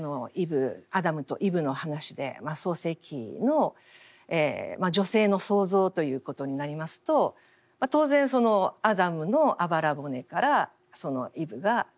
アダムとイブの話で「創世記」の女性の創造ということになりますと当然アダムのあばら骨からイブがつくられたと。